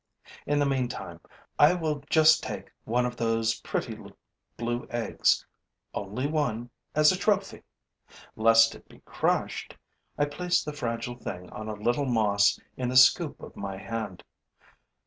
In the meantime, I will just take one of those pretty blue eggs, only one, as a trophy. Lest it should be crushed, I place the fragile thing on a little moss in the scoop of my hand.